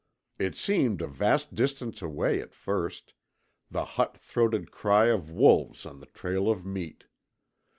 It seemed a vast distance away at first the hot throated cry of wolves on the trail of meat.